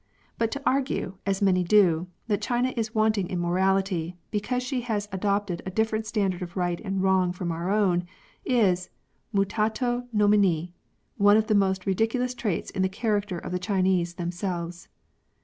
But to argue, as many do, that China is wanting in morality, because she has adopted a dif ferent standard of right and wrong from our own, is, mutato nomine, one of the most ridiculous traits in the character of the Chinese themselves.